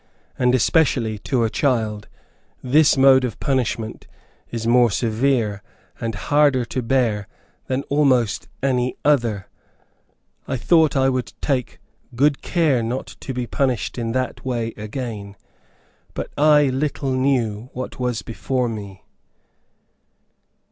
And especially to a child, this mode of punishment is more severe, and harder to bear than almost any other. I thought I would take good care not to be punished in that way again; but I little knew what was before me.